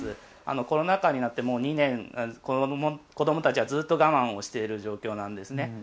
コロナ禍になって、もう２年子どもたちはずっと我慢をしている状況なんですね。